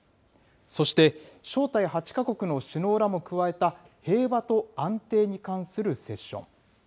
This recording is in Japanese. そして、招待８か国の首脳らも加えた、平和と安定に関するセッション。